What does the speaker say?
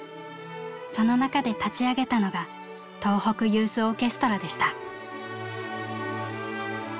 その中で立ち上げたのが「東北ユースオーケストラ」でした。